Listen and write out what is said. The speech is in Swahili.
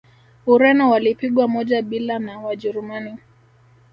ureno walipigwa moja bila na wajerumani